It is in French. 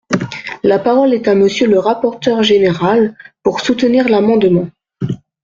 La parole est à Monsieur le rapporteur général, pour soutenir l’amendement.